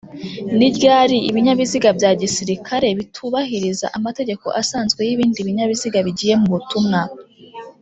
niryali Ibinyabiziga bya gisirikare bitubahiriza amategeko asazwe y’ibindi binyabiziga bigiye mubutumwa